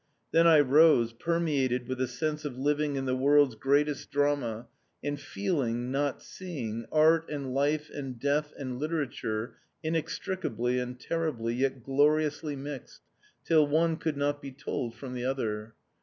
Then I rose, permeated with a sense of living in the world's greatest drama, and feeling, not seeing, Art and Life and Death and Literature inextricably and terribly, yet gloriously mixed, till one could not be told from the other....